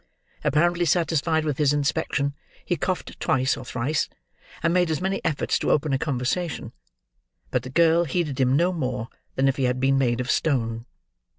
Apparently satisfied with his inspection, he coughed twice or thrice, and made as many efforts to open a conversation; but the girl heeded him no more than if he had been made of stone.